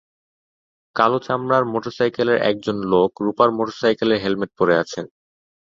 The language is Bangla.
কালো চামড়ার মোটরসাইকেলের একজন লোক রূপার মোটরসাইকেলের হেলমেট পরে আছেন।